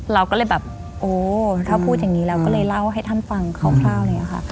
เราก็เลยแบบโอ้ถ้าพูดอย่างนี้แล้วก็เลยเล่าให้ท่านฟังคร่าว